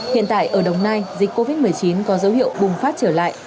hiện tại ở đồng nai dịch covid một mươi chín có dấu hiệu bùng phát trở lại